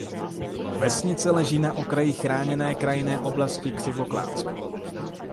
Vesnice leží na okraji chráněné krajinné oblasti Křivoklátsko.